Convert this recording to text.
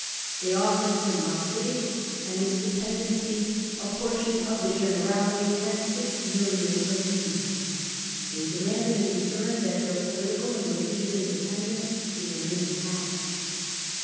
They offered him Maestricht and its dependencies, a portion of the ' Gene rality* (see p. 8), and six millions of livres. They demanded in return that their political and religious in dependence should remain intact.